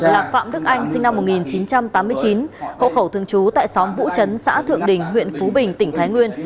là phạm đức anh sinh năm một nghìn chín trăm tám mươi chín hộ khẩu thường trú tại xóm vũ trấn xã thượng đình huyện phú bình tỉnh thái nguyên